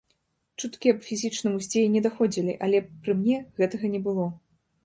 Чуткі аб фізічным уздзеянні даходзілі, але пры мне гэтага не было.